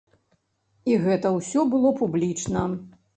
І гэта ўсё было публічна.